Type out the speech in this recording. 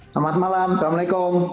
selamat malam assalamualaikum